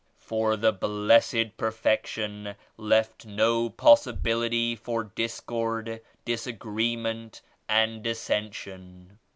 For the Blessed Perfection left no possibility for discord, disagreement and dissension.